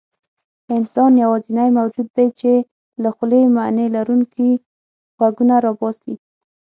انسان یواځینی موجود دی، چې له خولې معنیلرونکي غږونه راباسي.